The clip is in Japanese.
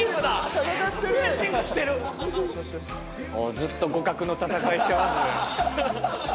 ずっと互角の戦いしてますね。